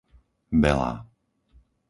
Belá